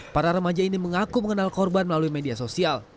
para remaja ini mengaku mengenal korban melalui media sosial